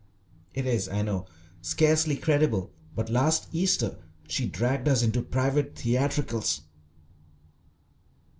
It is, I know, scarcely credible, but last Easter she dragged us into private theatricals.